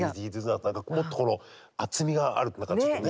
もっとこの厚みがある何かちょっとね。